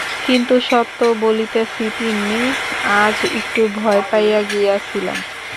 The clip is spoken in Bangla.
কিন্তু সত্য বলিতেছি তিন্নি, আজ একটু ভয় পাইয়া গিয়াছিলাম।